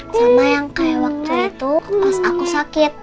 sama yang kayak waktu itu pas aku sakit